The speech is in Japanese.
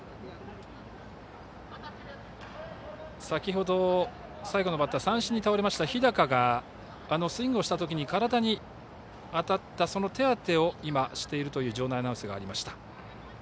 先ほどの最後のバッター三振に倒れました日高がスイングをしたときに体に当たったその手当てをしているという場内アナウンスがありました。